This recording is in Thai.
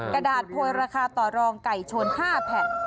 กระดาษโพยราคาต่อรองไก่ชน๕แผ่น